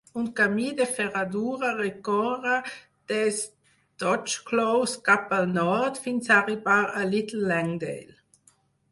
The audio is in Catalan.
Un camí de ferradura recorre des d'Hodge Close cap al nord, fins a arribar a Little Langdale.